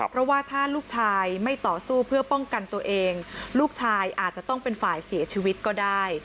เพราะว่าถ้าลูกชายไม่ต่อสู้เพื่อป้องกันตัวเองลูกชายอาจจะต้องเป็นฝ่ายเสียชีวิตก็ได้